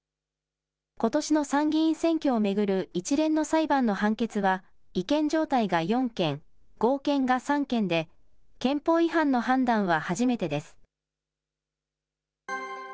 ことしの参議院選挙を巡る一連の裁判の判決は違憲状態が４件、合憲が３件で、憲法違反の判断は初めてです。